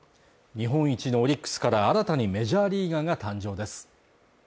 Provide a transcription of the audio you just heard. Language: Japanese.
日本一のオリックスから新たにメジャーリーガーが誕生です